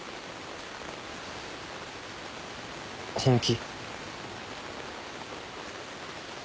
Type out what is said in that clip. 本気？